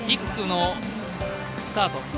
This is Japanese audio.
１区のスタート。